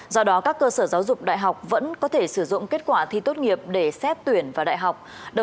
do đó các cơ sở giáo dục đại học vẫn có thể sử dụng kết quả thi tốt nghiệp để xét tuyển vào đại học